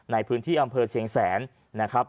ในพื้นที่อำเภอเชียงแสนนะครับ